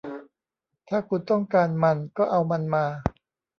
ถ้าคุณต้องการมันก็เอามันมา